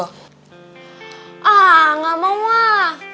ah gak mau mah